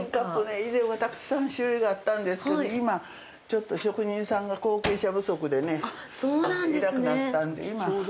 以前はたくさん種類があったんですけど今ちょっと職人さんが後継者不足でねいなくなったんで、今。